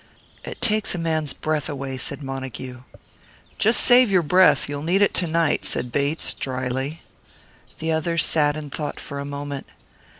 "It takes a man's breath away," said Montague. "Just save your breath you'll need it to night," said Bates, drily. The other sat in thought for a moment.